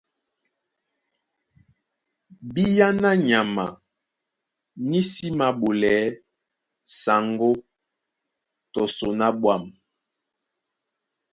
Bìáná nyama ní sí māɓolɛɛ́ sáŋgó tɔ son á ɓwǎm̀.